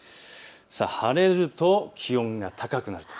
晴れると気温が高くなる。